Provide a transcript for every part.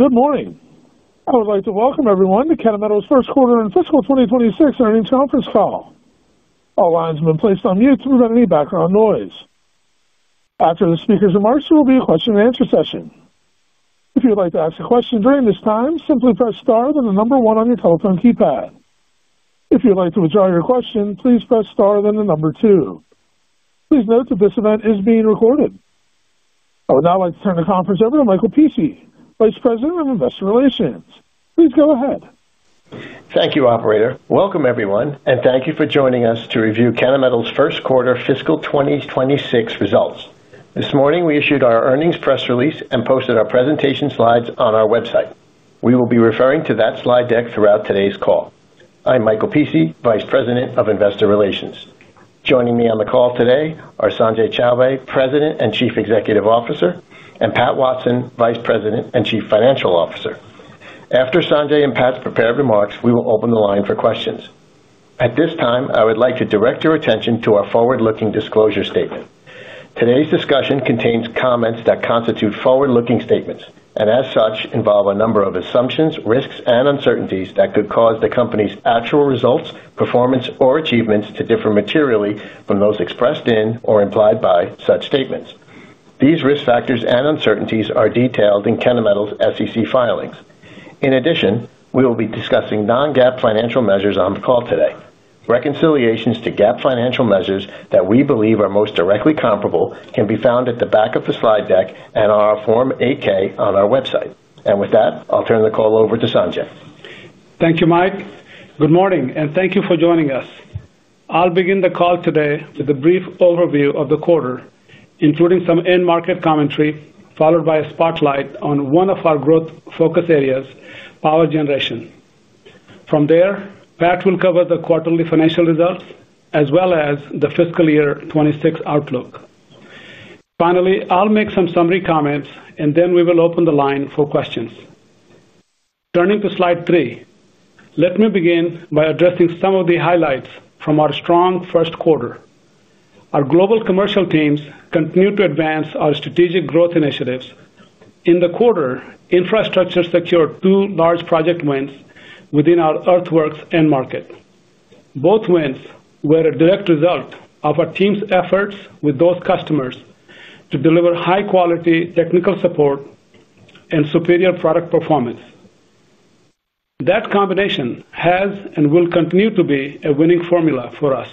Good morning. I would like to welcome everyone to Kennametal's first quarter and fiscal 2026 earnings conference call. All lines have been placed on mute to prevent any background noise. After the speakers are marked, there will be a question-and-answer session. If you would like to ask a question during this time, simply press star then the number one on your telephone keypad. If you would like to withdraw your question, please press star then the number two. Please note that this event is being recorded. I would now like to turn the conference over to Michael Pici, Vice President of Investor Relations. Please go ahead. Thank you, Operator. Welcome, everyone, and thank you for joining us to review Kennametal's first quarter fiscal 2026 results. This morning, we issued our earnings press release and posted our presentation slides on our website. We will be referring to that slide deck throughout today's call. I'm Michael Pici, Vice President of Investor Relations. Joining me on the call today are Sanjay Chowbey, President and Chief Executive Officer, and Pat Watson, Vice President and Chief Financial Officer. After Sanjay and Pat's prepared remarks, we will open the line for questions. At this time, I would like to direct your attention to our forward-looking disclosure statement. Today's discussion contains comments that constitute forward-looking statements and, as such, involve a number of assumptions, risks, and uncertainties that could cause the company's actual results, performance, or achievements to differ materially from those expressed in or implied by such statements. These risk factors and uncertainties are detailed in Kennametal's SEC filings. In addition, we will be discussing non-GAAP financial measures on the call today. Reconciliations to GAAP financial measures that we believe are most directly comparable can be found at the back of the slide deck and on our Form 8-K on our website. With that, I'll turn the call over to Sanjay. Thank you, Mike. Good morning, and thank you for joining us. I'll begin the call today with a brief overview of the quarter, including some in-market commentary, followed by a spotlight on one of our growth focus areas, power generation. From there, Pat will cover the quarterly financial results as well as the fiscal year 2026 outlook. Finally, I'll make some summary comments, and then we will open the line for questions. Turning to slide three, let me begin by addressing some of the highlights from our strong first quarter. Our global commercial teams continue to advance our strategic growth initiatives. In the quarter, infrastructure secured two large project wins within our earthworks end market. Both wins were a direct result of our team's efforts with those customers to deliver high-quality technical support and superior product performance. That combination has and will continue to be a winning formula for us.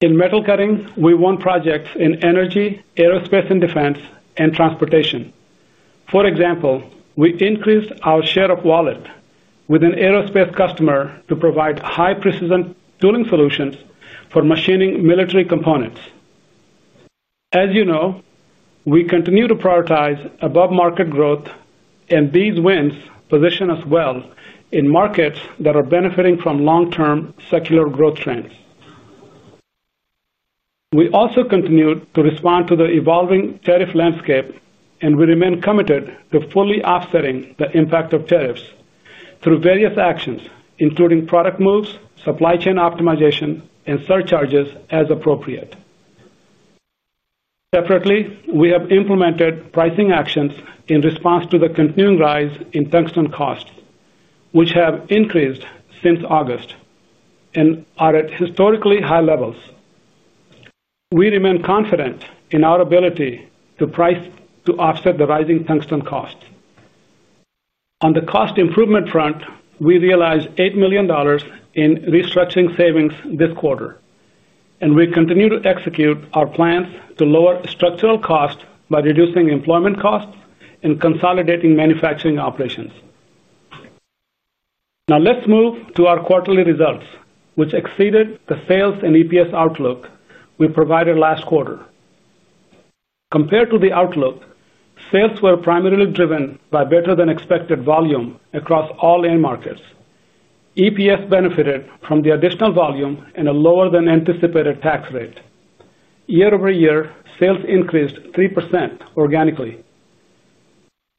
In metal cutting, we won projects in energy, aerospace, and defense, and transportation. For example, we increased our share of wallet with an aerospace customer to provide high-precision tooling solutions for machining military components. As you know, we continue to prioritize above-market growth, and these wins position us well in markets that are benefiting from long-term secular growth trends. We also continue to respond to the evolving tariff landscape, and we remain committed to fully offsetting the impact of tariffs through various actions, including product moves, supply chain optimization, and surcharges as appropriate. Separately, we have implemented pricing actions in response to the continuing rise in tungsten costs, which have increased since August and are at historically high levels. We remain confident in our ability to price to offset the rising tungsten costs. On the cost improvement front, we realized $8 million in restructuring savings this quarter, and we continue to execute our plans to lower structural costs by reducing employment costs and consolidating manufacturing operations. Now, let's move to our quarterly results, which exceeded the sales and EPS outlook we provided last quarter. Compared to the outlook, sales were primarily driven by better-than-expected volume across all end markets. EPS benefited from the additional volume and a lower-than-anticipated tax rate. Year-over-year, sales increased 3% organically.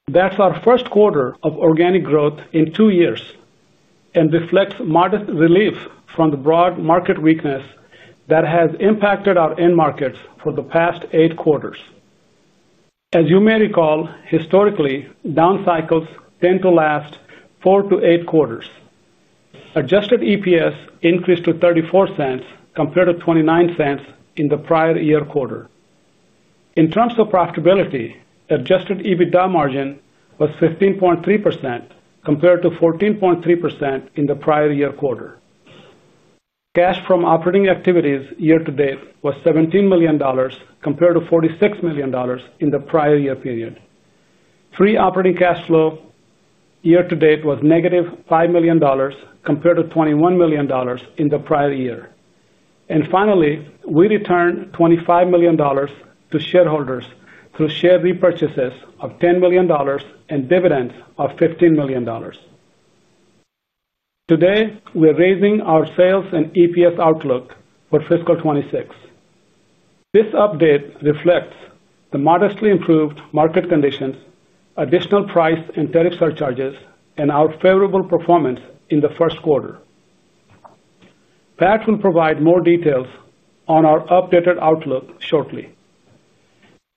That's our first quarter of organic growth in two years, and reflects modest relief from the broad market weakness that has impacted our end markets for the past eight quarters. As you may recall, historically, down cycles tend to last four to eight quarters. Adjusted EPS increased to $0.34 compared to $0.29 in the prior year quarter. In terms of profitability, adjusted EBITDA margin was 15.3% compared to 14.3% in the prior year quarter. Cash from operating activities year to date was $17 million compared to $46 million in the prior year period. Free operating cash flow year to date was -$5 million compared to $21 million in the prior year. Finally, we returned $25 million to shareholders through share repurchases of $10 million and dividends of $15 million. Today, we're raising our sales and EPS outlook for fiscal 2026. This update reflects the modestly improved market conditions, additional price and tariff surcharges, and our favorable performance in the first quarter. Pat will provide more details on our updated outlook shortly.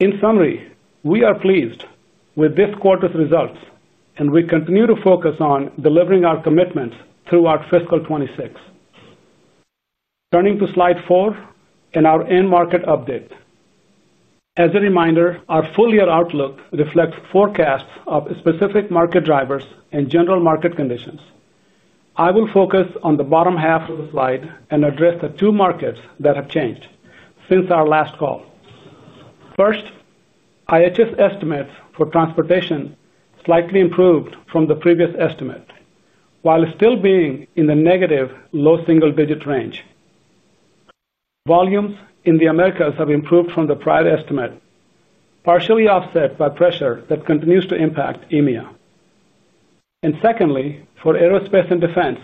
In summary, we are pleased with this quarter's results, and we continue to focus on delivering our commitments throughout fiscal 2026. Turning to slide four and our end market update. As a reminder, our full year outlook reflects forecasts of specific market drivers and general market conditions. I will focus on the bottom half of the slide and address the two markets that have changed since our last call. First, IHS estimates for transportation slightly improved from the previous estimate, while still being in the negative low single-digit range. Volumes in the Americas have improved from the prior estimate, partially offset by pressure that continues to impact EMEA. Secondly, for aerospace and defense,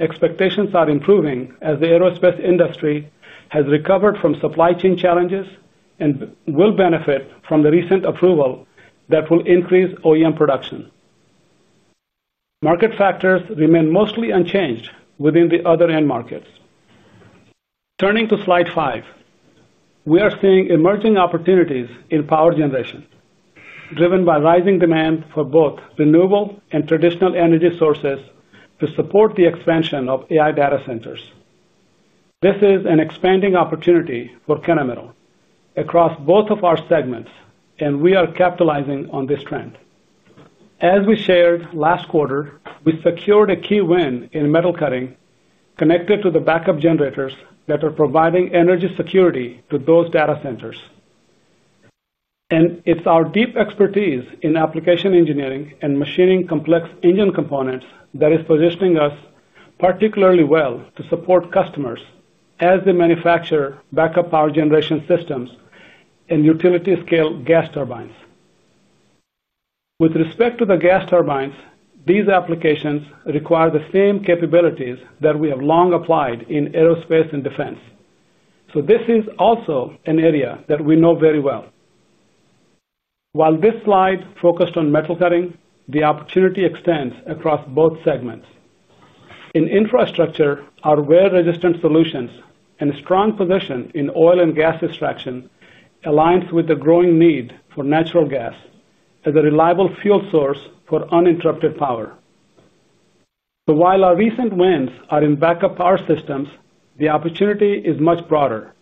expectations are improving as the aerospace industry has recovered from supply chain challenges and will benefit from the recent approval that will increase OEM production. Market factors remain mostly unchanged within the other end markets. Turning to slide five, we are seeing emerging opportunities in power generation driven by rising demand for both renewable and traditional energy sources to support the expansion of AI data centers. This is an expanding opportunity for Kennametal across both of our segments, and we are capitalizing on this trend. As we shared last quarter, we secured a key win in metal cutting connected to the backup generators that are providing energy security to those data centers. It is our deep expertise in application engineering and machining complex engine components that is positioning us particularly well to support customers as they manufacture backup power generation systems and utility-scale gas turbines. With respect to the gas turbines, these applications require the same capabilities that we have long applied in aerospace and defense. This is also an area that we know very well. While this slide focused on metal cutting, the opportunity extends across both segments. In infrastructure, our wear-resistant solutions and strong position in oil and gas extraction align with the growing need for natural gas as a reliable fuel source for uninterrupted power. While our recent wins are in backup power systems, the opportunity is much broader,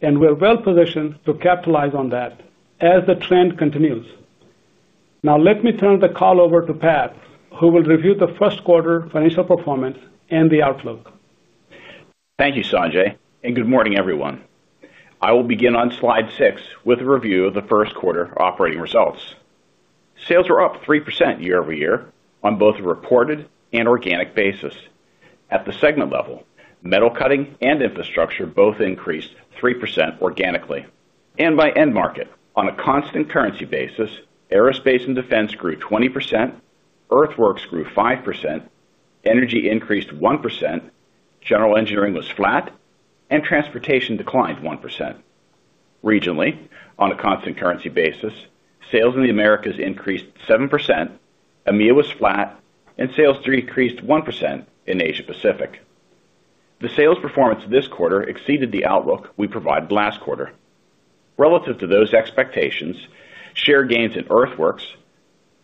and we're well positioned to capitalize on that as the trend continues. Now, let me turn the call over to Pat, who will review the first quarter financial performance and the outlook. Thank you, Sanjay. Good morning, everyone. I will begin on slide six with a review of the first quarter operating results. Sales were up 3% year-over-year on both a reported and organic basis. At the segment level, metal cutting and infrastructure both increased 3% organically. By end market, on a constant currency basis, aerospace and defense grew 20%, earthworks grew 5%, energy increased 1%, general engineering was flat, and transportation declined 1%. Regionally, on a constant currency basis, sales in the Americas increased 7%, EMEA was flat, and sales decreased 1% in Asia-Pacific. The sales performance this quarter exceeded the outlook we provided last quarter. Relative to those expectations, share gains in earthworks,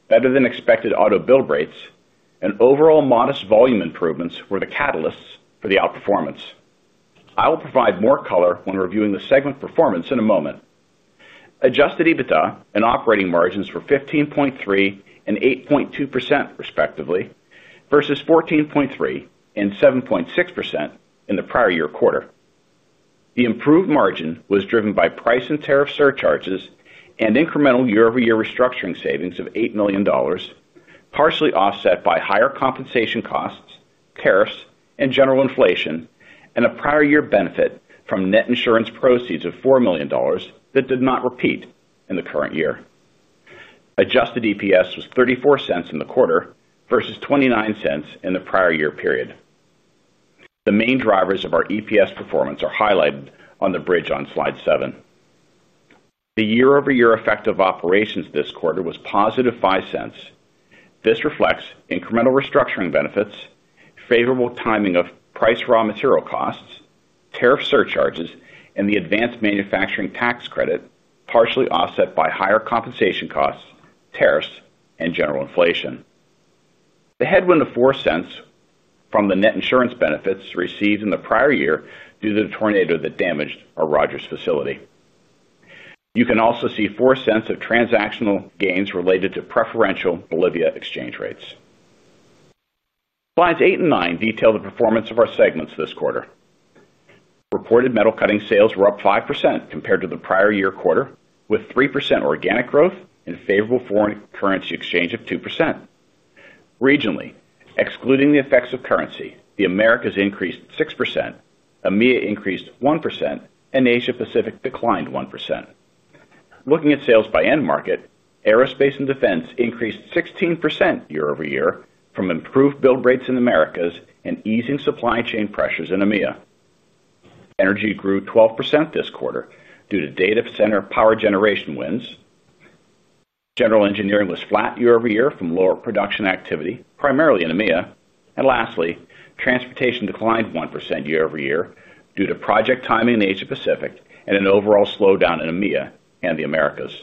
better-than-expected auto build rates, and overall modest volume improvements were the catalysts for the outperformance. I will provide more color when reviewing the segment performance in a moment. Adjusted EBITDA and operating margins were 15.3% and 8.2%, respectively, versus 14.3% and 7.6% in the prior year quarter. The improved margin was driven by price and tariff surcharges and incremental year-over-year restructuring savings of $8 million. Partially offset by higher compensation costs, tariffs, and general inflation, and a prior-year benefit from net insurance proceeds of $4 million that did not repeat in the current year. Adjusted EPS was $0.34 in the quarter versus $0.29 in the prior year period. The main drivers of our EPS performance are highlighted on the bridge on slide seven. The year-over-year effect of operations this quarter was +$0.05. This reflects incremental restructuring benefits, favorable timing of price raw material costs, tariff surcharges, and the advanced manufacturing tax credit, partially offset by higher compensation costs, tariffs, and general inflation. The headwind of $0.04 from the net insurance benefits received in the prior year due to the tornado that damaged our Rogers facility. You can also see $0.04 of transactional gains related to preferential Bolivia exchange rates. Slides eight and nine detail the performance of our segments this quarter. Reported metal cutting sales were up 5% compared to the prior year quarter, with 3% organic growth and favorable foreign currency exchange of 2%. Regionally, excluding the effects of currency, the Americas increased 6%, EMEA increased 1%, and Asia-Pacific declined 1%. Looking at sales by end market, aerospace and defense increased 16% year-over-year from improved build rates in the Americas and easing supply chain pressures in EMEA. Energy grew 12% this quarter due to data center power generation wins. General engineering was flat year-over-year from lower production activity, primarily in EMEA. Lastly, transportation declined 1% year-over-year due to project timing in Asia-Pacific and an overall slowdown in EMEA and the Americas.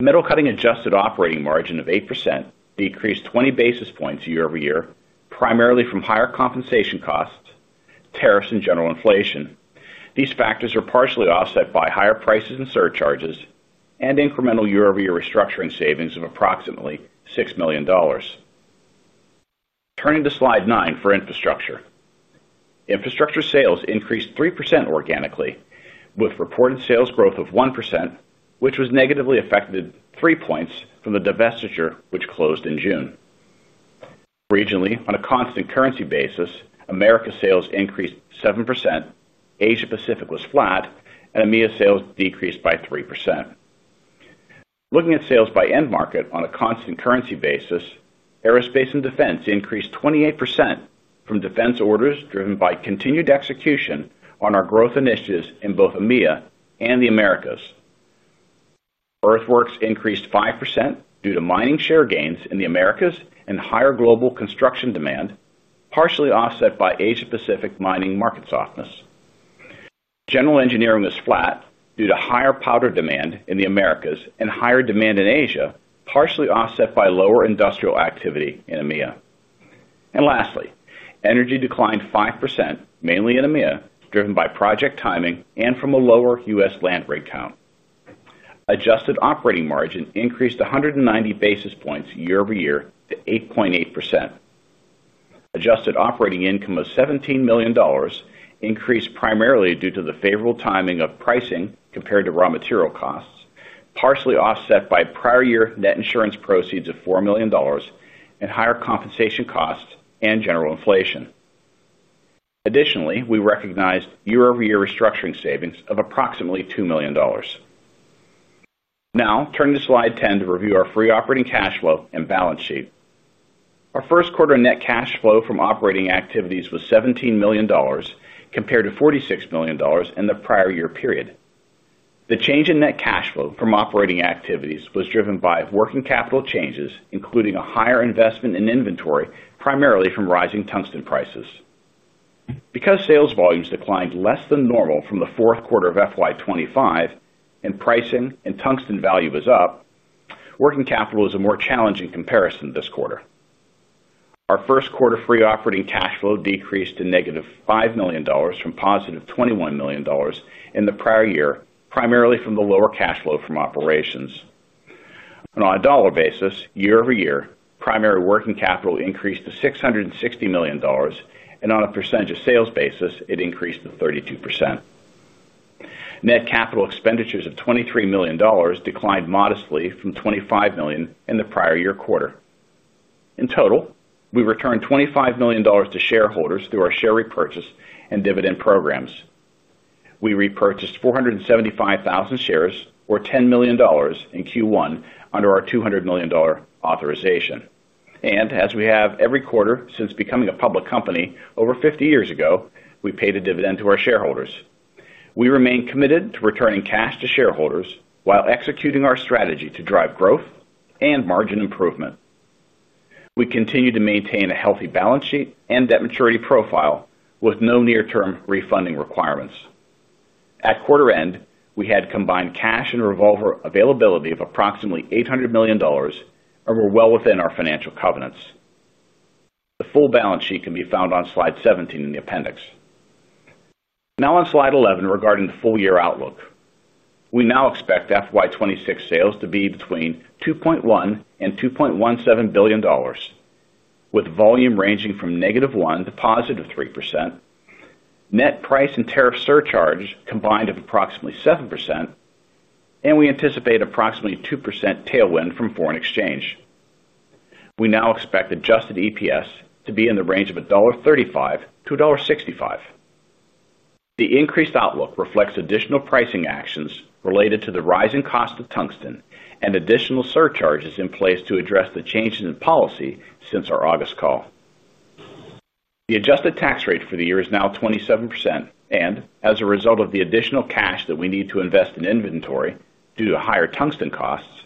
Metal cutting adjusted operating margin of 8% decreased 20 basis points year-over-year, primarily from higher compensation costs, tariffs, and general inflation. These factors are partially offset by higher prices and surcharges and incremental year-over-year restructuring savings of approximately $6 million. Turning to slide nine for infrastructure. Infrastructure sales increased 3% organically, with reported sales growth of 1%, which was negatively affected 3 points from the divestiture which closed in June. Regionally, on a constant currency basis, Americas sales increased 7%, Asia-Pacific was flat, and EMEA sales decreased by 3%. Looking at sales by end market on a constant currency basis, aerospace and defense increased 28% from defense orders driven by continued execution on our growth initiatives in both EMEA and the Americas. earthworks increased 5% due to mining share gains in the Americas and higher global construction demand, partially offset by Asia-Pacific mining market softness. General engineering was flat due to higher powder demand in the Americas and higher demand in Asia, partially offset by lower industrial activity in EMEA. Lastly, energy declined 5%, mainly in EMEA, driven by project timing and from a lower U.S. land breakdown. Adjusted operating margin increased 190 basis points year-over-year to 8.8%. Adjusted operating income of $17 million. Increased primarily due to the favorable timing of pricing compared to raw material costs, partially offset by prior-year net insurance proceeds of $4 million, and higher compensation costs and general inflation. Additionally, we recognized year-over-year restructuring savings of approximately $2 million. Now, turning to slide 10 to review our free operating cash flow and balance sheet. Our first quarter net cash flow from operating activities was $17 million, compared to $46 million in the prior year period. The change in net cash flow from operating activities was driven by working capital changes, including a higher investment in inventory, primarily from rising tungsten prices. Because sales volumes declined less than normal from the fourth quarter of FY 2025 and pricing and tungsten value was up, working capital was a more challenging comparison this quarter. Our first quarter free operating cash flow decreased to -$5 million from +$21 million in the prior year, primarily from the lower cash flow from operations. On a dollar basis, year-over-year, primary working capital increased to $660 million, and on a percentage of sales basis, it increased to 32%. Net capital expenditures of $23 million declined modestly from $25 million in the prior year quarter. In total, we returned $25 million to shareholders through our share repurchase and dividend programs. We repurchased 475,000 shares, or $10 million in Q1, under our $200 million authorization. As we have every quarter since becoming a public company over 50 years ago, we paid a dividend to our shareholders. We remain committed to returning cash to shareholders while executing our strategy to drive growth and margin improvement. We continue to maintain a healthy balance sheet and debt maturity profile with no near-term refunding requirements. At quarter end, we had combined cash and revolver availability of approximately $800 million, and we are well within our financial covenants. The full balance sheet can be found on slide 17 in the appendix. Now on slide 11 regarding the full year outlook. We now expect FY 2026 sales to be between $2.1 billion and $2.17 billion, with volume ranging from -1% to +3%. Net price and tariff surcharge combined of approximately 7%. We anticipate approximately 2% tailwind from foreign exchange. We now expect adjusted EPS to be in the range of $1.35-$1.65. The increased outlook reflects additional pricing actions related to the rising cost of tungsten and additional surcharges in place to address the changes in policy since our August call. The adjusted tax rate for the year is now 27%, and as a result of the additional cash that we need to invest in inventory due to higher tungsten costs,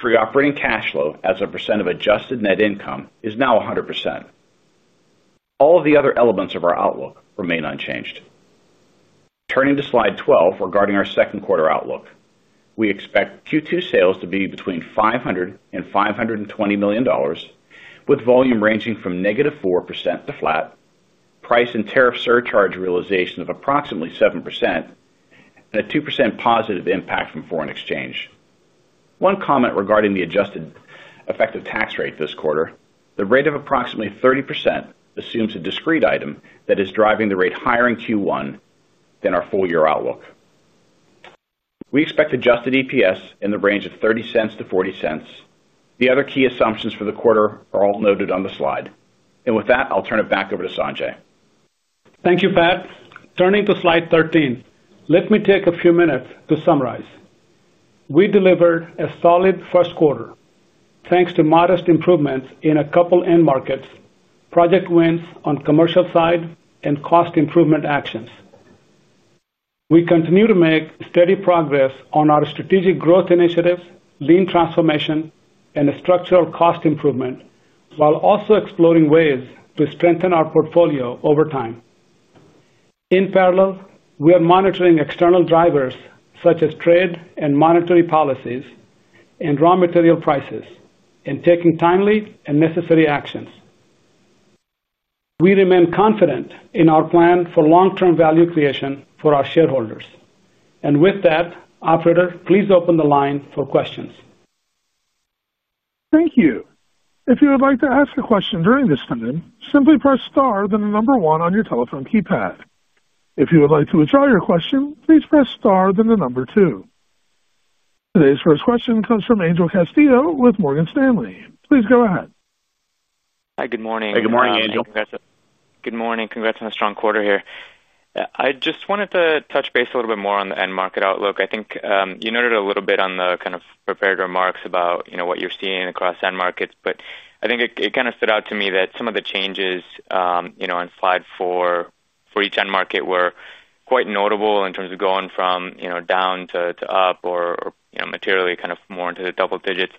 free operating cash flow as a percent of adjusted net income is now 100%. All of the other elements of our outlook remain unchanged. Turning to slide 12 regarding our second quarter outlook. We expect Q2 sales to be between $500 million and $520 million, with volume ranging from negative 4% to flat, price and tariff surcharge realization of approximately 7%, and a 2% positive impact from foreign exchange. One comment regarding the adjusted effective tax rate this quarter, the rate of approximately 30% assumes a discrete item that is driving the rate higher in Q1 than our full year outlook. We expect adjusted EPS in the range of $0.30-$0.40. The other key assumptions for the quarter are all noted on the slide. With that, I'll turn it back over to Sanjay. Thank you, Pat. Turning to slide 13, let me take a few minutes to summarize. We delivered a solid first quarter thanks to modest improvements in a couple end markets, project wins on commercial side, and cost improvement actions. We continue to make steady progress on our strategic growth initiatives, lean transformation, and structural cost improvement, while also exploring ways to strengthen our portfolio over time. In parallel, we are monitoring external drivers such as trade and monetary policies and raw material prices and taking timely and necessary actions. We remain confident in our plan for long-term value creation for our shareholders. With that, operator, please open the line for questions. Thank you. If you would like to ask a question during this time, simply press star then the number one on your telephone keypad. If you would like to withdraw your question, please press star then the number two. Today's first question comes from Angel Castillo with Morgan Stanley. Please go ahead. Hi, good morning. Good morning, Angel. Good morning. Congrats on a strong quarter here. I just wanted to touch base a little bit more on the end market outlook. I think you noted a little bit on the kind of prepared remarks about what you're seeing across end markets, but I think it kind of stood out to me that some of the changes on slide four for each end market were quite notable in terms of going from down to up or materially kind of more into the double digits,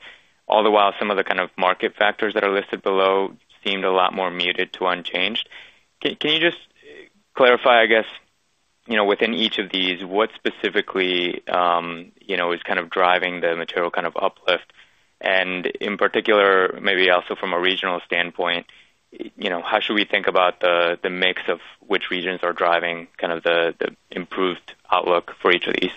all the while some of the kind of market factors that are listed below seemed a lot more muted to unchanged. Can you just clarify, I guess, within each of these, what specifically is kind of driving the material kind of uplift? And in particular, maybe also from a regional standpoint. How should we think about the mix of which regions are driving kind of the improved outlook for each of these?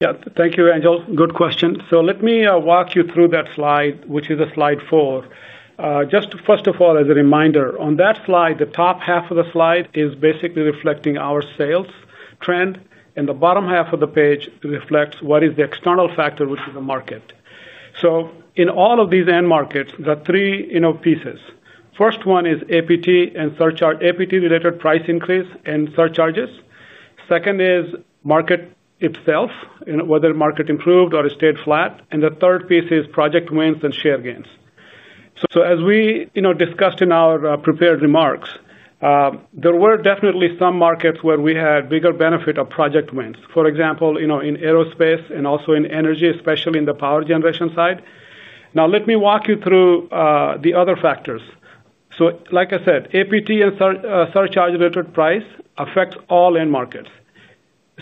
Yeah, thank you, Angel. Good question. Let me walk you through that slide, which is slide four. Just first of all, as a reminder, on that slide, the top half of the slide is basically reflecting our sales trend, and the bottom half of the page reflects what is the external factor, which is the market. In all of these end markets, the three pieces, first one is APT and surcharge, APT-related price increase and surcharges. Second is market itself, whether market improved or it stayed flat. The third piece is project wins and share gains. As we discussed in our prepared remarks, there were definitely some markets where we had bigger benefit of project wins. For example, in aerospace and also in energy, especially in the power generation side. Let me walk you through the other factors. Like I said, APT and surcharge-related price affects all end markets.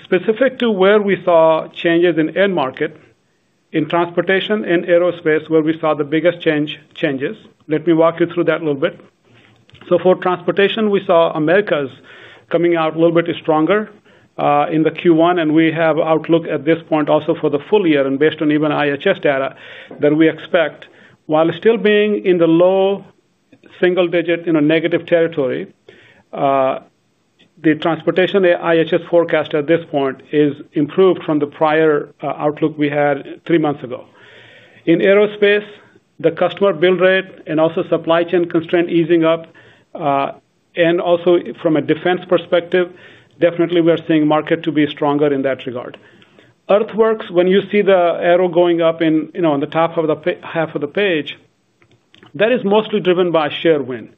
Specific to where we saw changes in end market. In transportation and aerospace, where we saw the biggest changes, let me walk you through that a little bit. For transportation, we saw Americas coming out a little bit stronger in Q1, and we have outlook at this point also for the full year. Based on even IHS data that we expect, while still being in the low single-digit negative territory. The transportation IHS forecast at this point is improved from the prior outlook we had three months ago. In aerospace, the customer build rate and also supply chain constraint easing up. Also from a defense perspective, definitely we are seeing market to be stronger in that regard. earthworks, when you see the arrow going up on the top half of the page. That is mostly driven by share win.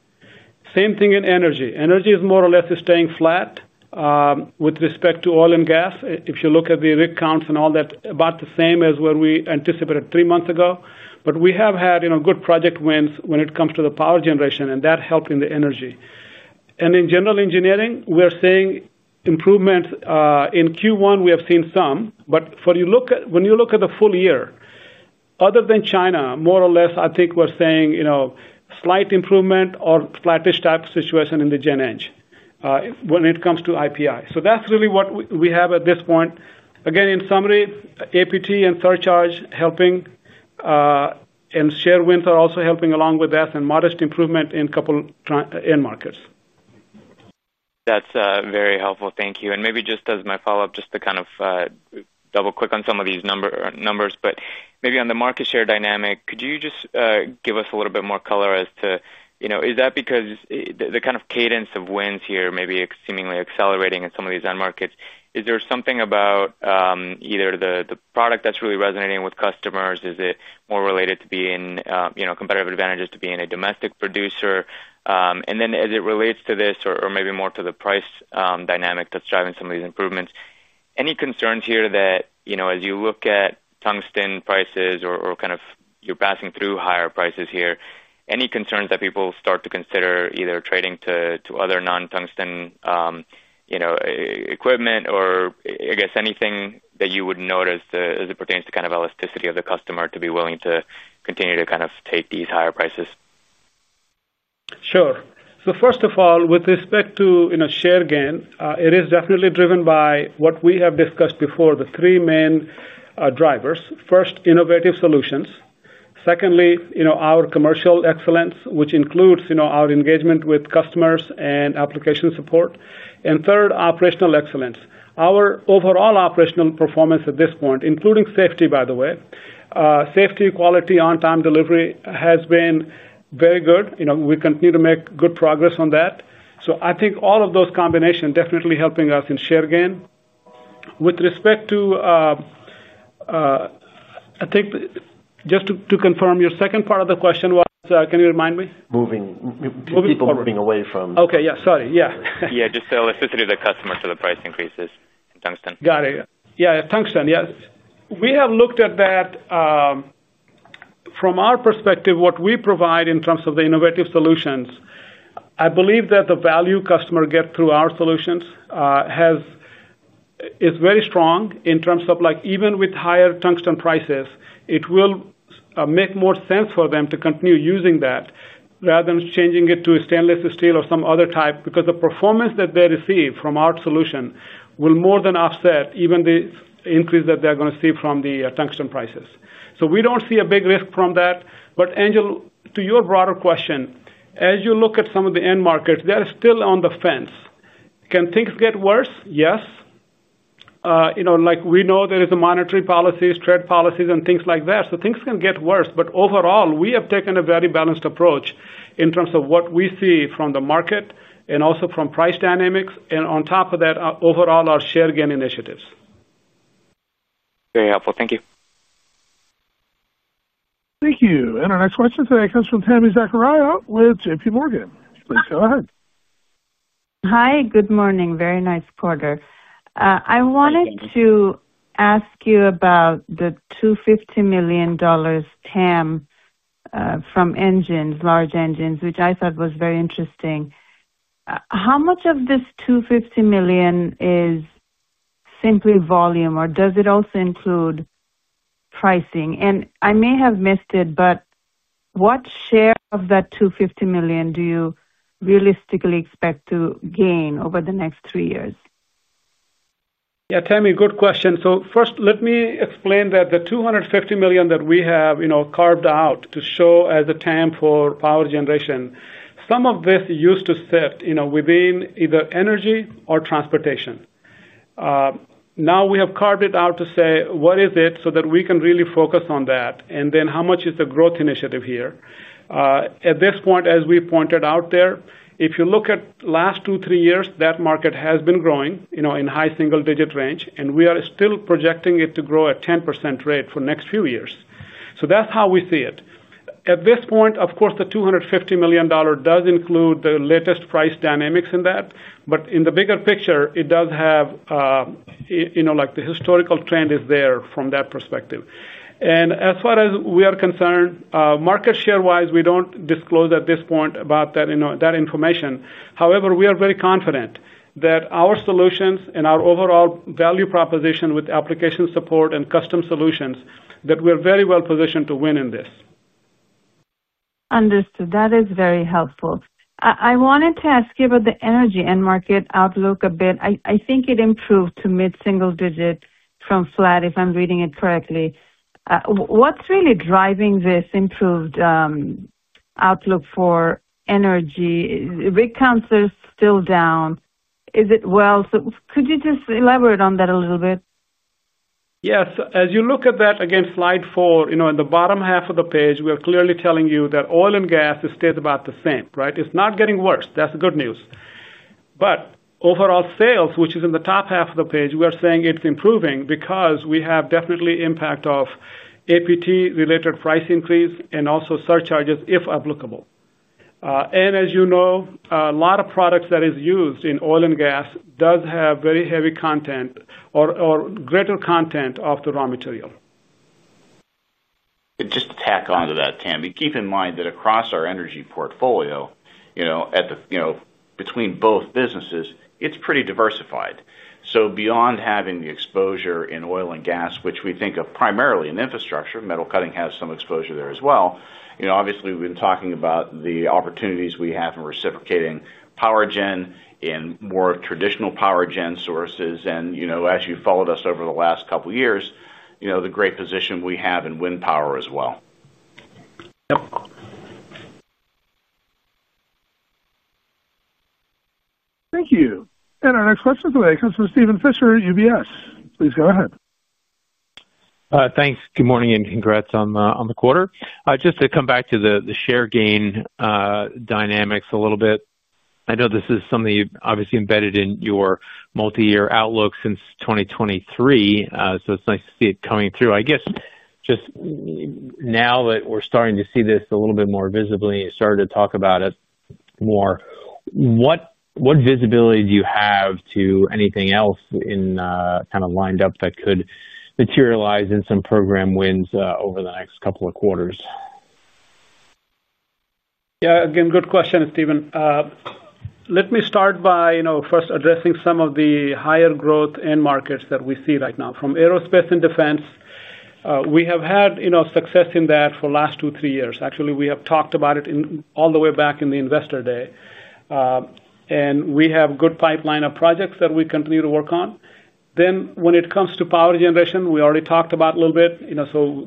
Same thing in energy. Energy is more or less staying flat. With respect to oil and gas, if you look at the rig counts and all that, about the same as where we anticipated three months ago. We have had good project wins when it comes to the power generation, and that helped in the energy. In general engineering, we're seeing improvements. In Q1, we have seen some, but when you look at the full year, other than China, more or less, I think we're seeing slight improvement or flattish type of situation in the Gen Eng. When it comes to IPI. That is really what we have at this point. Again, in summary, APT and surcharge helping. Share wins are also helping along with that and modest improvement in a couple end markets. That's very helpful. Thank you. Maybe just as my follow-up, just to kind of double-click on some of these numbers, but maybe on the market share dynamic, could you just give us a little bit more color as to is that because the kind of cadence of wins here may be seemingly accelerating in some of these end markets? Is there something about either the product that's really resonating with customers? Is it more related to being competitive advantages to being a domestic producer? As it relates to this, or maybe more to the price dynamic that's driving some of these improvements, any concerns here that as you look at tungsten prices or kind of you're passing through higher prices here, any concerns that people start to consider either trading to other non-tungsten. Equipment or, I guess, anything that you would notice as it pertains to kind of elasticity of the customer to be willing to continue to kind of take these higher prices? Sure. First of all, with respect to share gain, it is definitely driven by what we have discussed before, the three main drivers. First, innovative solutions. Secondly, our commercial excellence, which includes our engagement with customers and application support. Third, operational excellence. Our overall operational performance at this point, including safety, by the way. Safety, quality, on-time delivery has been very good. We continue to make good progress on that. I think all of those combinations are definitely helping us in share gain. With respect to, I think just to confirm your second part of the question, can you remind me? Moving. People moving away from. Okay, yeah, sorry. Yeah. Yeah, just elasticity of the customer to the price increases in tungsten. Got it. Yeah, tungsten, yes. We have looked at that. From our perspective, what we provide in terms of the innovative solutions, I believe that the value customer gets through our solutions is very strong in terms of even with higher tungsten prices, it will make more sense for them to continue using that rather than changing it to stainless steel or some other type because the performance that they receive from our solution will more than offset even the increase that they're going to see from the tungsten prices. We do not see a big risk from that. Angel, to your broader question, as you look at some of the end markets, they're still on the fence. Can things get worse? Yes. We know there is a monetary policy, trade policies, and things like that. Things can get worse, but overall, we have taken a very balanced approach in terms of what we see from the market and also from price dynamics. On top of that, overall, our share gain initiatives. Very helpful. Thank you. Thank you. Our next question today comes from Tami Zakaria with JPMorgan. Please go ahead. Hi, good morning. Very nice quarter. I wanted to ask you about the $250 million TAM from engines, large engines, which I thought was very interesting. How much of this $250 million is simply volume, or does it also include pricing? I may have missed it, but what share of that $250 million do you realistically expect to gain over the next three years? Yeah, Tami, good question. First, let me explain that the $250 million that we have carved out to show as a TAM for power generation, some of this used to sit within either energy or transportation. Now we have carved it out to say, what is it so that we can really focus on that? How much is the growth initiative here? At this point, as we pointed out there, if you look at the last two, three years, that market has been growing in high single-digit range, and we are still projecting it to grow at 10% rate for the next few years. That is how we see it. At this point, of course, the $250 million does include the latest price dynamics in that, but in the bigger picture, it does have. The historical trend is there from that perspective. As far as we are concerned, market share-wise, we do not disclose at this point about that information. However, we are very confident that our solutions and our overall value proposition with application support and custom solutions, that we are very well positioned to win in this. Understood. That is very helpful. I wanted to ask you about the energy end market outlook a bit. I think it improved to mid-single digit from flat, if I'm reading it correctly. What's really driving this improved outlook for energy? Rig counts are still down. Is it? Could you just elaborate on that a little bit? Yes. As you look at that, again, slide four, in the bottom half of the page, we are clearly telling you that oil and gas stays about the same, right? It's not getting worse. That's good news. Overall sales, which is in the top half of the page, we are saying it's improving because we have definitely an impact of APT-related price increase and also surcharges if applicable. As you know, a lot of products that are used in oil and gas do have very heavy content or greater content of the raw material. Just to tack on to that, Tami, keep in mind that across our energy portfolio, between both businesses, it's pretty diversified. So beyond having the exposure in oil and gas, which we think of primarily in infrastructure, metal cutting has some exposure there as well. Obviously, we've been talking about the opportunities we have in reciprocating power gen and more traditional power gen sources. And as you followed us over the last couple of years, the great position we have in wind power as well. Thank you. Our next question is from Steven Fisher, UBS. Please go ahead. Thanks. Good morning and congrats on the quarter. Just to come back to the share gain dynamics a little bit. I know this is something you've obviously embedded in your multi-year outlook since 2023, so it's nice to see it coming through. I guess just now that we're starting to see this a little bit more visibly and started to talk about it more, what visibility do you have to anything else in kind of lined up that could materialize in some program wins over the next couple of quarters? Yeah, again, good question, Steven. Let me start by first addressing some of the higher growth end markets that we see right now. From aerospace and defense, we have had success in that for the last two, three years. Actually, we have talked about it all the way back in the investor day. We have a good pipeline of projects that we continue to work on. When it comes to power generation, we already talked about a little bit.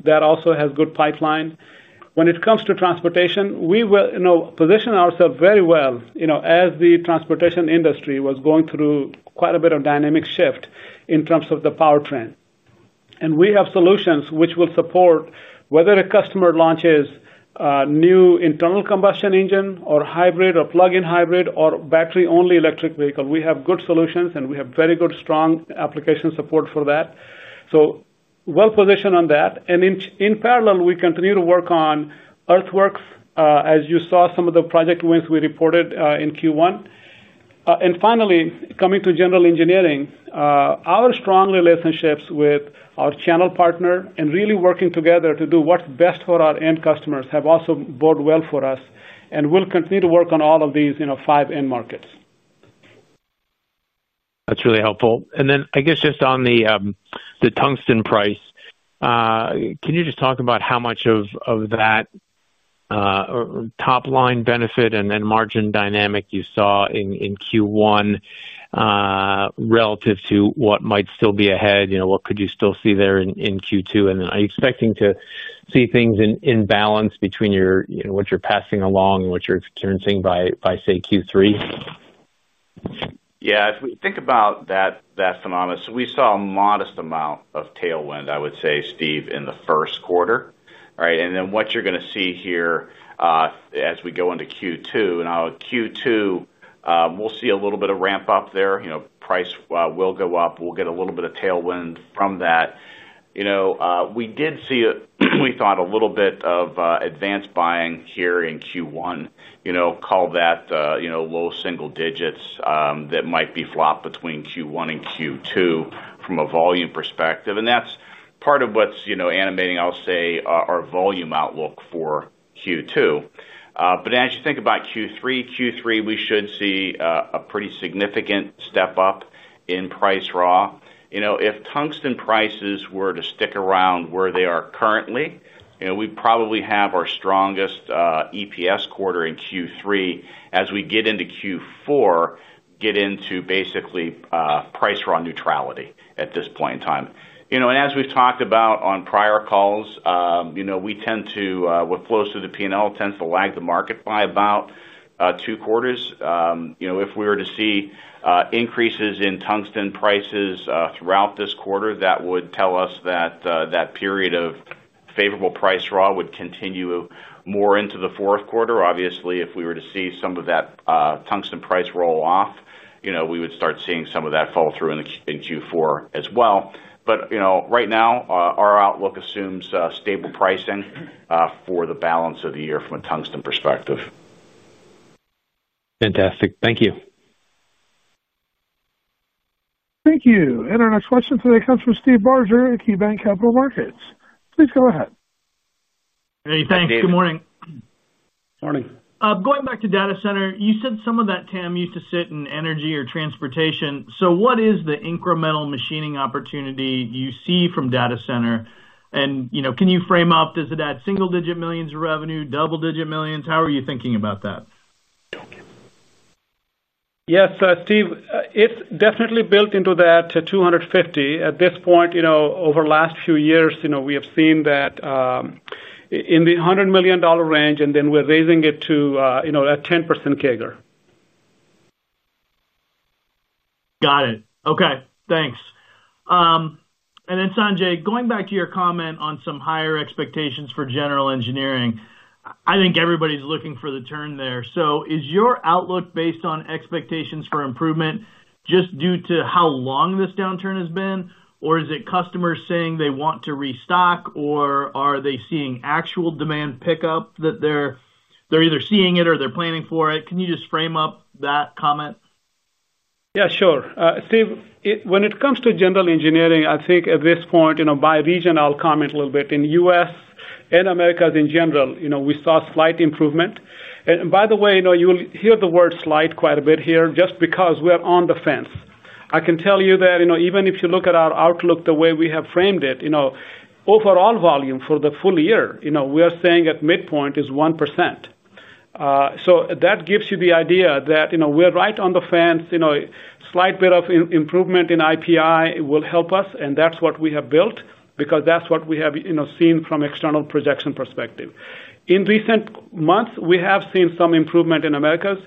That also has a good pipeline. When it comes to transportation, we position ourselves very well as the transportation industry was going through quite a bit of dynamic shift in terms of the power trend. We have solutions which will support whether a customer launches new internal combustion engine or hybrid or plug-in hybrid or battery-only electric vehicle. We have good solutions, and we have very good strong application support for that. We are well positioned on that. In parallel, we continue to work on earthworks, as you saw some of the project wins we reported in Q1. Finally, coming to general engineering, our strong relationships with our channel partner and really working together to do what's best for our end customers have also borne well for us. We will continue to work on all of these five end markets. That's really helpful. I guess just on the tungsten price. Can you just talk about how much of that top-line benefit and margin dynamic you saw in Q1 relative to what might still be ahead? What could you still see there in Q2? Are you expecting to see things in balance between what you're passing along and what you're experiencing by, say, Q3? Yeah, if we think about that, that's anonymous. We saw a modest amount of tailwind, I would say, Steven, in the first quarter. What you're going to see here as we go into Q2, now Q2, we'll see a little bit of ramp-up there. Price will go up. We'll get a little bit of tailwind from that. We did see, we thought, a little bit of advanced buying here in Q1. Call that low single digits that might be flopped between Q1 and Q2 from a volume perspective. That's part of what's animating, I'll say, our volume outlook for Q2. As you think about Q3, Q3, we should see a pretty significant step up in price raw. If tungsten prices were to stick around where they are currently, we probably have our strongest EPS quarter in Q3. As we get into Q4, get into basically price raw neutrality at this point in time. As we've talked about on prior calls, we tend to, with flows through the P&L, tend to lag the market by about two quarters. If we were to see increases in tungsten prices throughout this quarter, that would tell us that that period of favorable price raw would continue more into the fourth quarter. Obviously, if we were to see some of that tungsten price roll off, we would start seeing some of that fall through in Q4 as well. Right now, our outlook assumes stable pricing for the balance of the year from a tungsten perspective. Fantastic. Thank you. Thank you. Our next question today comes from Steve Barger, KeyBanc Capital Markets. Please go ahead. Hey, thanks. Good morning. Morning. Going back to data center, you said some of that, TAM, used to sit in energy or transportation. What is the incremental machining opportunity you see from data center? Can you frame up, is it at single-digit millions of revenue, double-digit millions? How are you thinking about that? Yes, Steve, it's definitely built into that $250 million. At this point, over the last few years, we have seen that. In the $100 million range, and then we're raising it to a 10% CAGR. Got it. Okay. Thanks. Sanjay, going back to your comment on some higher expectations for general engineering, I think everybody's looking for the turn there. Is your outlook based on expectations for improvement just due to how long this downturn has been, or is it customers saying they want to restock, or are they seeing actual demand pick up that they're either seeing it or they're planning for it? Can you just frame up that comment? Yeah, sure. Steve, when it comes to general engineering, I think at this point, by region, I'll comment a little bit. In the U.S. and Americas in general, we saw slight improvement. By the way, you'll hear the word slight quite a bit here just because we're on the fence. I can tell you that even if you look at our outlook, the way we have framed it. Overall volume for the full year, we are saying at midpoint is 1%. That gives you the idea that we're right on the fence. Slight bit of improvement in IPI will help us, and that's what we have built because that's what we have seen from an external projection perspective. In recent months, we have seen some improvement in Americas.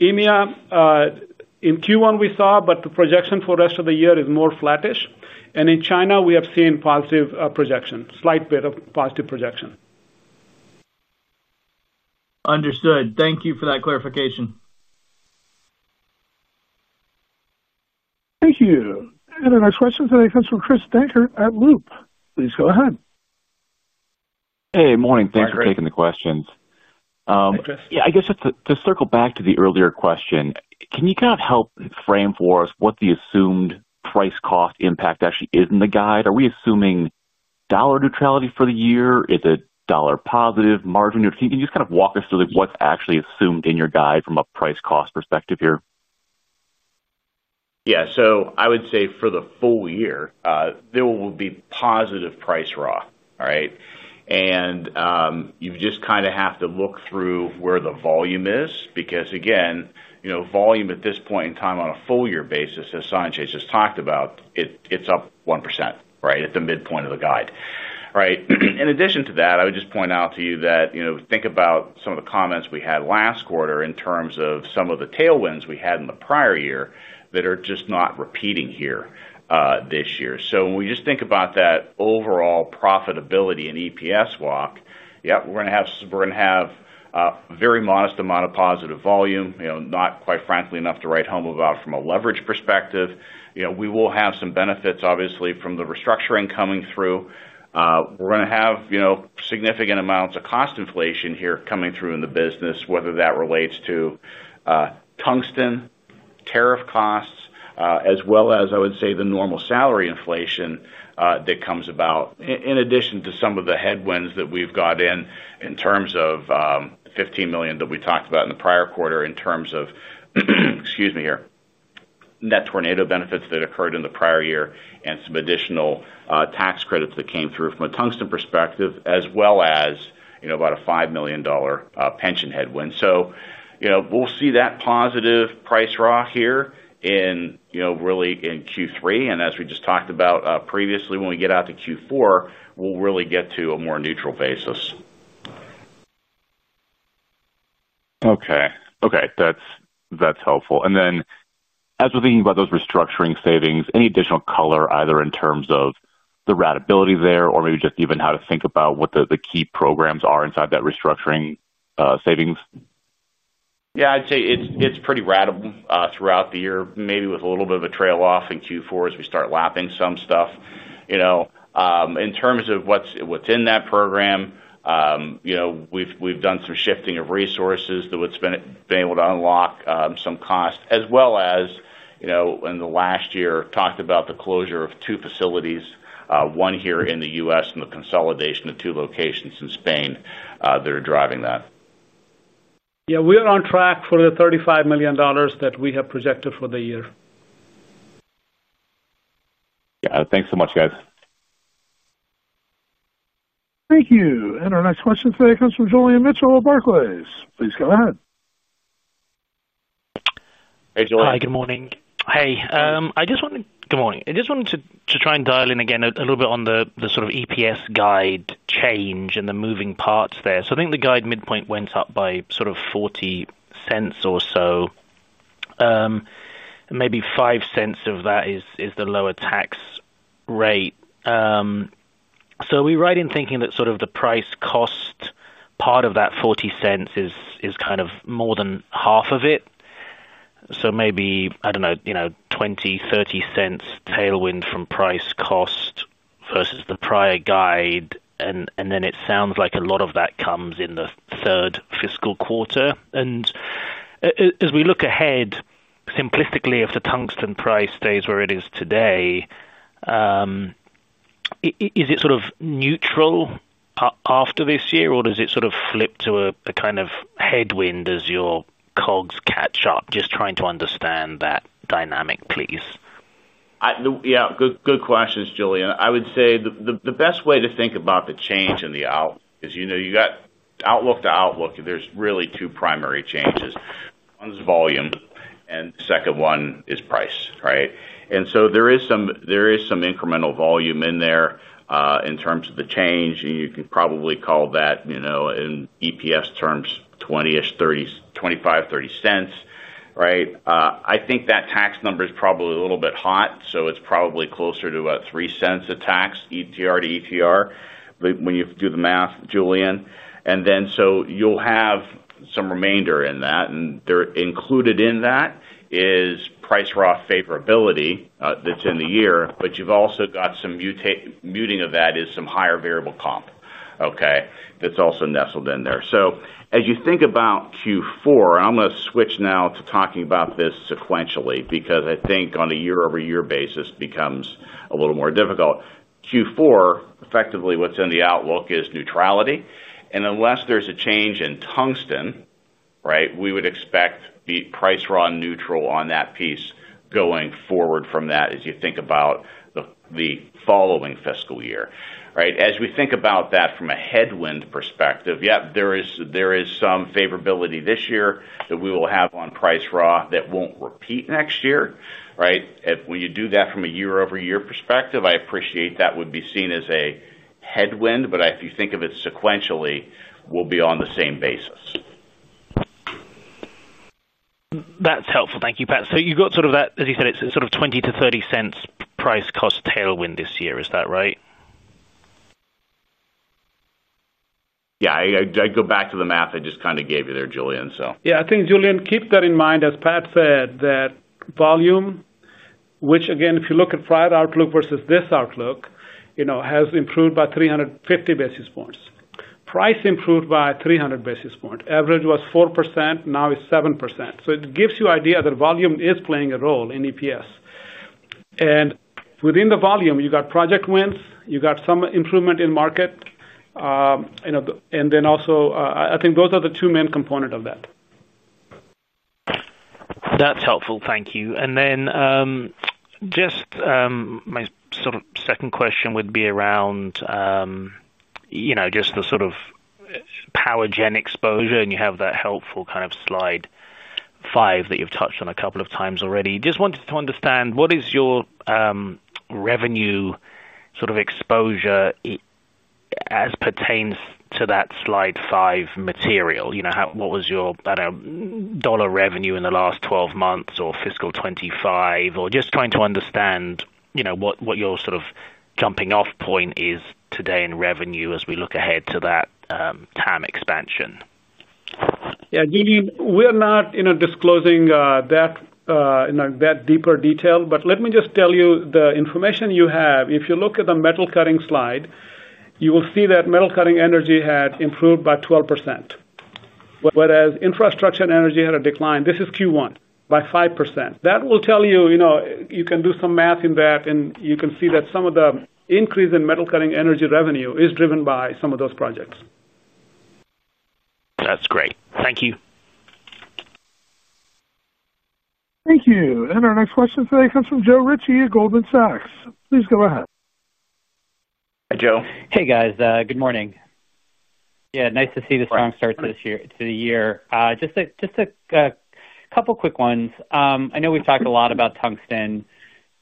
EMEA, in Q1, we saw, but the projection for the rest of the year is more flattish. In China, we have seen positive projection, slight bit of positive projection. Understood. Thank you for that clarification. Thank you. Our next question today comes from Chris Dankert at Loop. Please go ahead. Hey, morning. Thanks for taking the questions. Yeah, I guess to circle back to the earlier question, can you kind of help frame for us what the assumed price cost impact actually is in the guide? Are we assuming dollar neutrality for the year? Is it dollar positive margin? Can you just kind of walk us through what's actually assumed in your guide from a price cost perspective here? Yeah. I would say for the full year, there will be positive price raw, right? You just kind of have to look through where the volume is because, again, volume at this point in time on a full-year basis, as Sanjay just talked about, it's up 1% at the midpoint of the guide. In addition to that, I would just point out to you that, think about some of the comments we had last quarter in terms of some of the tailwinds we had in the prior year that are just not repeating here this year. When we just think about that overall profitability and EPS walk, yep, we're going to have a very modest amount of positive volume, not quite frankly enough to write home about from a leverage perspective. We will have some benefits, obviously, from the restructuring coming through. We're going to have significant amounts of cost inflation here coming through in the business, whether that relates to tungsten, tariff costs, as well as, I would say, the normal salary inflation that comes about in addition to some of the headwinds that we've got in terms of $15 million that we talked about in the prior quarter in terms of, excuse me here, net tornado benefits that occurred in the prior year and some additional tax credits that came through from a tungsten perspective, as well as about a $5 million pension headwind. We'll see that positive price raw here really in Q3. As we just talked about previously, when we get out to Q4, we'll really get to a more neutral basis. Okay. Okay. That's helpful. As we're thinking about those restructuring savings, any additional color either in terms of the ratability there or maybe just even how to think about what the key programs are inside that restructuring savings? Yeah, I'd say it's pretty ratable throughout the year, maybe with a little bit of a trail off in Q4 as we start lapping some stuff. In terms of what's in that program, we've done some shifting of resources that we've been able to unlock some cost, as well as in the last year, talked about the closure of two facilities, one here in the U.S. and the consolidation of two locations in Spain that are driving that. Yeah, we are on track for the $35 million that we have projected for the year. Yeah. Thanks so much, guys. Thank you. Our next question today comes from Julian Mitchell of Barclays. Please go ahead. Hey, Julian. Hi, good morning. Hey, I just wanted to—good morning. I just wanted to try and dial in again a little bit on the sort of EPS guide change and the moving parts there. I think the guide midpoint went up by sort of $0.40 or so. Maybe $0.05 of that is the lower tax rate. Are we right in thinking that sort of the price cost part of that $0.40 is kind of more than half of it? Maybe, I do not know, 20-30 cents tailwind from price cost versus the prior guide. It sounds like a lot of that comes in the third fiscal quarter. As we look ahead, simplistically, if the tungsten price stays where it is today, is it sort of neutral? After this year, or does it sort of flip to a kind of headwind as your COGS catch up? Just trying to understand that dynamic, please. Yeah, good questions, Julian. I would say the best way to think about the change in the outlook is you got outlook to outlook. There are really two primary changes. One's volume, and the second one is price, right? There is some incremental volume in there in terms of the change. You can probably call that, in EPS terms, 20-ish, $0.25, $0.30 right? I think that tax number is probably a little bit hot. It is probably closer to about $0.03 of tax, ETR to ETR, when you do the math, Julian. You will have some remainder in that. Included in that is price raw favorability that is in the year. You have also got some muting of that, which is some higher variable comp, okay, that is also nestled in there. As you think about Q4, and I'm going to switch now to talking about this sequentially because I think on a year-over-year basis becomes a little more difficult. Q4, effectively, what's in the outlook is neutrality. Unless there's a change in tungsten, right, we would expect price raw neutral on that piece going forward from that as you think about. The following fiscal year, right? As we think about that from a headwind perspective, yep, there is some favorability this year that we will have on price raw that won't repeat next year, right? When you do that from a year-over-year perspective, I appreciate that would be seen as a headwind, but if you think of it sequentially, we'll be on the same basis. That's helpful. Thank you, Pat. You have got sort of that, as you said, it is sort of $0.20-$0.30 price cost tailwind this year, is that right? Yeah. I go back to the math I just kind of gave you there, Julian, so. Yeah. I think, Julian, keep that in mind as Pat said that volume, which, again, if you look at prior outlook versus this outlook, has improved by 350 basis points. Price improved by 300 basis points. Average was 4%. Now it's 7%. It gives you an idea that volume is playing a role in EPS. Within the volume, you got project wins. You got some improvement in market. I think those are the two main components of that. That's helpful. Thank you. Just my sort of second question would be around just the sort of power gen exposure, and you have that helpful kind of slide five that you've touched on a couple of times already. Just wanted to understand what is your revenue sort of exposure as pertains to that slide five material? What was your, I don't know, dollar revenue in the last 12 months or fiscal 2025? Just trying to understand what your sort of jumping-off point is today in revenue as we look ahead to that TAM expansion. Yeah, Julian, we are not disclosing that. In that deeper detail, but let me just tell you the information you have. If you look at the metal cutting slide, you will see that metal cutting energy had improved by 12%. Whereas infrastructure and energy had a decline. This is Q1 by 5%. That will tell you you can do some math in that, and you can see that some of the increase in metal cutting energy revenue is driven by some of those projects. That's great. Thank you. Thank you. Our next question today comes from Joe Ritchie at Goldman Sachs. Please go ahead. Hi, Joe. Hey, guys. Good morning. Yeah, nice to see the strong start to the year. Just a couple of quick ones. I know we've talked a lot about tungsten.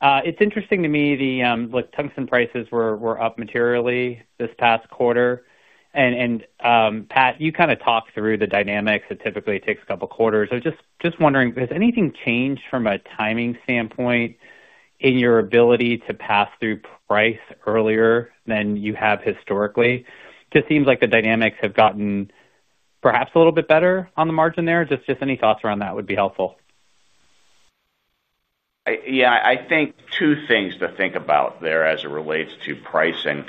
It's interesting to me, the tungsten prices were up materially this past quarter. And Pat, you kind of talked through the dynamics. It typically takes a couple of quarters. I'm just wondering, has anything changed from a timing standpoint in your ability to pass through price earlier than you have historically? It just seems like the dynamics have gotten perhaps a little bit better on the margin there. Just any thoughts around that would be helpful. Yeah, I think two things to think about there as it relates to pricing.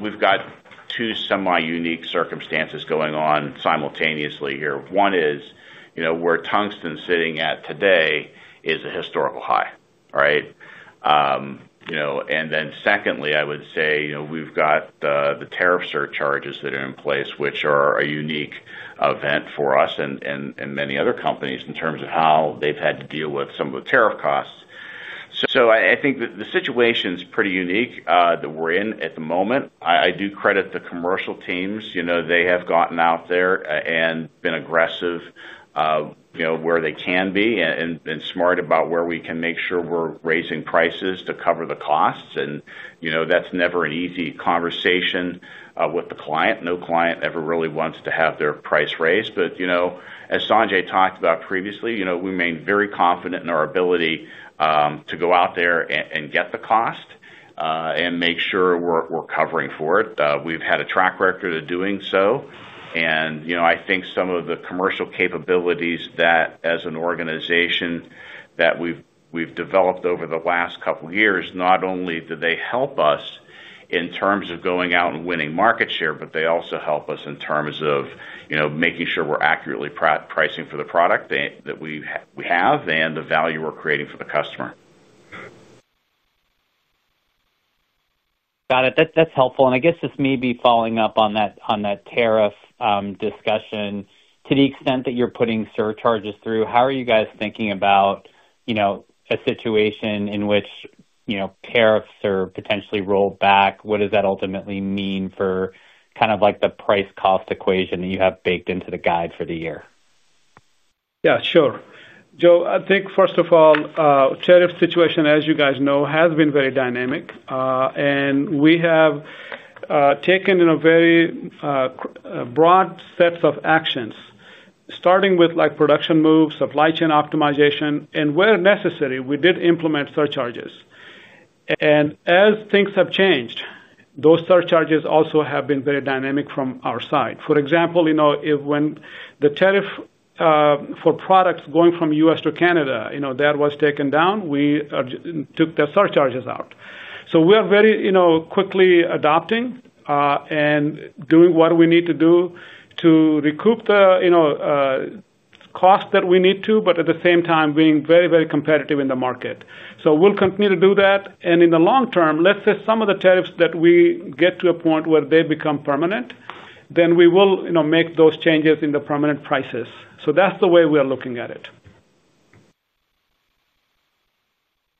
We've got two semi-unique circumstances going on simultaneously here. One is, where tungsten is sitting at today is a historical high, right? And then secondly, I would say we've got the tariff surcharges that are in place, which are a unique event for us and many other companies in terms of how they've had to deal with some of the tariff costs. I think the situation is pretty unique that we're in at the moment. I do credit the commercial teams. They have gotten out there and been aggressive where they can be and been smart about where we can make sure we're raising prices to cover the costs. That's never an easy conversation with the client. No client ever really wants to have their price raised. As Sanjay talked about previously, we remain very confident in our ability to go out there and get the cost. We make sure we're covering for it. We've had a track record of doing so. I think some of the commercial capabilities that, as an organization, we've developed over the last couple of years, not only do they help us in terms of going out and winning market share, but they also help us in terms of making sure we're accurately pricing for the product that we have and the value we're creating for the customer. Got it. That's helpful. I guess just maybe following up on that tariff discussion, to the extent that you're putting surcharges through, how are you guys thinking about a situation in which tariffs are potentially rolled back? What does that ultimately mean for kind of like the price cost equation that you have baked into the guide for the year? Yeah, sure. Joe, I think, first of all, tariff situation, as you guys know, has been very dynamic. We have taken in a very broad set of actions, starting with production moves, supply chain optimization, and where necessary, we did implement surcharges. As things have changed, those surcharges also have been very dynamic from our side. For example, when the tariff for products going from U.S. to Canada, that was taken down, we took the surcharges out. We are very quickly adopting and doing what we need to do to recoup the cost that we need to, but at the same time, being very, very competitive in the market. We will continue to do that. In the long term, let's say some of the tariffs that we get to a point where they become permanent, then we will make those changes in the permanent prices. That's the way we are looking at it.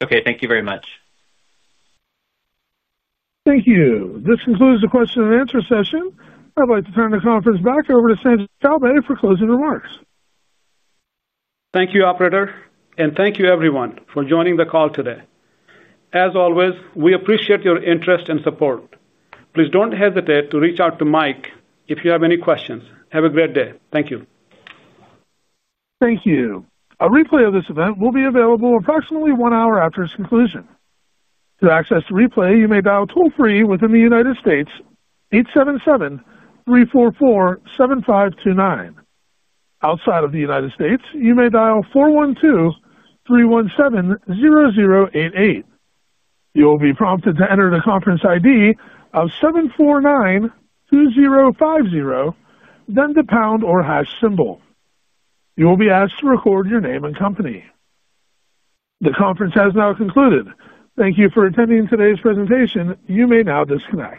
Okay. Thank you very much. Thank you. This concludes the question-and-answer session. I'd like to turn the conference back over to Sanjay Chowbey for closing remarks. Thank you, operator. Thank you, everyone, for joining the call today. As always, we appreciate your interest and support. Please do not hesitate to reach out to Mike if you have any questions. Have a great day. Thank you. Thank you. A replay of this event will be available approximately one hour after its conclusion. To access the replay, you may dial toll-free within the U.S., 877-344-7529. Outside of the U.S., you may dial 412-317-0088. You will be prompted to enter the conference ID of 7492050, then the pound or hash symbol. You will be asked to record your name and company. The conference has now concluded. Thank you for attending today's presentation. You may now disconnect.